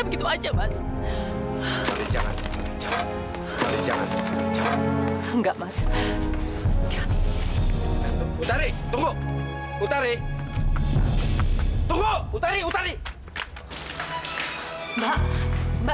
begitu aja mas jangan jangan jangan enggak mas utari tunggu utari tunggu utari utari mbak mbak